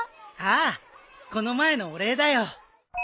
ああこの前のお礼だよ。